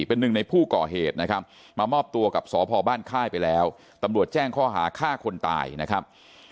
เป็นหนึ่งในผู้ก่อเหตุนะครับมามอบตัวกับสพบ้านค่ายไปแล้วตำรวจแจ้งข้อหาฆ่าคนตายนะครับ